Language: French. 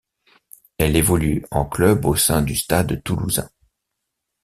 Elle évolue en club au sein du Stade toulousain.